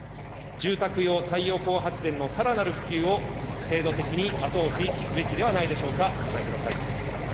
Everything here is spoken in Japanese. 住宅用太陽光発電のさらなる普及を制度的に後押しすべきではないでしょうか、お答えください。